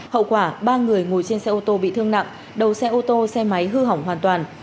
hậu quả ba người ngồi trên xe ô tô bị thương nặng đầu xe ô tô xe máy hư hỏng hoàn toàn